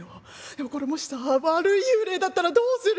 でもこれもしさ悪い幽霊だったらどうする？